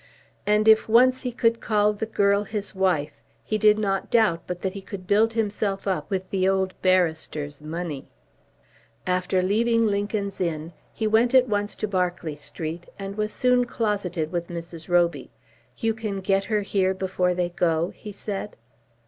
And if once he could call the girl his wife, he did not doubt but that he could build himself up with the old barrister's money. After leaving Lincoln's Inn he went at once to Berkeley Street, and was soon closeted with Mrs. Roby. "You can get her here before they go?" he said.